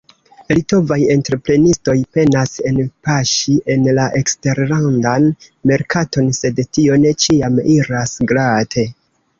Litovaj entreprenistoj penas enpaŝi en la eksterlandan merkaton, sed tio ne ĉiam iras glate.